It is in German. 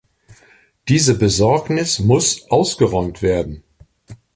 Diese Besorgnis muss ausgeräumt werden.